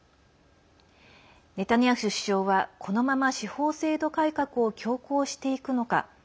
ネタニヤフ首相は、このまま司法制度改革を強行していくのか。